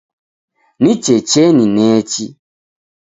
Ni checheni nechi.